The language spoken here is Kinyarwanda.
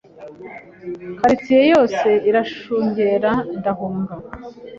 cartier yose iranshungera ndahunga